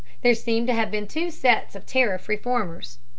There seem to have been two sets of tariff reformers.